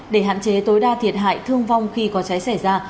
để hạn chế tối đa thiệt hại thương vong khi có cháy xảy ra